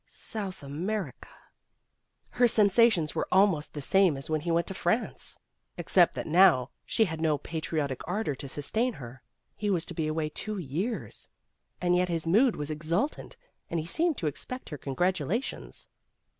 South America! Her sensations were almost the same as when he went to France, except that now she had no patriotic ardor to sustain her. He was to be away two years, and yet his mood was exultant, and he seemed to expect her con gratulations.